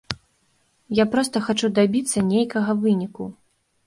Я проста хачу дабіцца нейкага выніку.